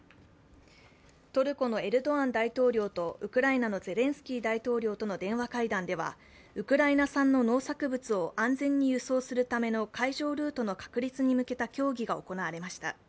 トルコのエルドアン大統領とウクライナのゼレンスキー大統領との電話会談では電話会談では、ウクライナ産の農産物を安全に輸送するための海上ルートの確立に向けた協議が行われました。